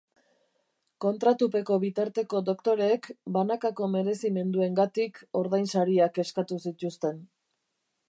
Kontratupeko bitarteko doktoreek banakako merezimenduengatik ordainsariak eskatu zituzten.